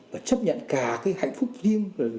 và chấp nhận cả cái hạnh phúc riêng